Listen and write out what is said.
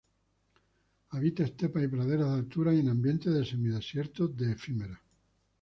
Habita estepas y praderas de altura, y en ambiente de semidesiertos de efímeras.